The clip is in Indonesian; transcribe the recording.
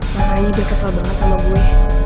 makanya dia kesel banget sama gue